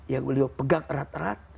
yang beliau pegang erat erat